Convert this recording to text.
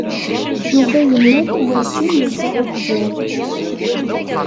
Yuba yenna-d werǧin yeẓẓa akbal.